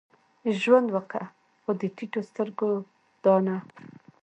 ژوند وکه؛ خو د ټيټو سترګو دا نه.